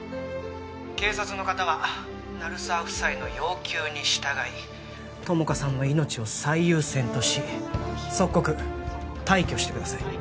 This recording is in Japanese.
警察の方は鳴沢夫妻の要求に従い友果さんの命を最優先とし即刻退去してください